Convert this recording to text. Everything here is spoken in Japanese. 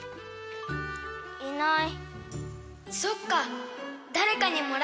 いない。